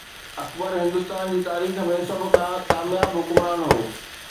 اڪبر هندستان جي تاريخ ۾ سڀ کان ڪامياب حڪمران هو.